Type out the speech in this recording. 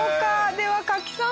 では賀喜さん